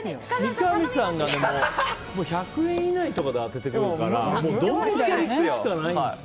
三上さんが１００円以内とかで当ててくるからどんぴしゃにするしかないんですよ。